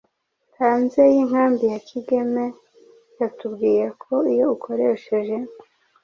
hanze y’inkambi ya Kigeme. Yatubwiye ko iyo ukoresheje